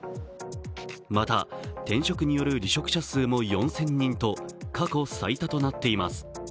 また転職による離職者数も４０００人と過去最多となっています。